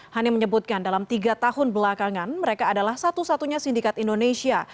hani menyebutkan dalam tiga tahun belakangan mereka adalah satu satunya sindikat indonesia